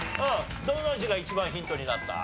どの字が一番ヒントになった？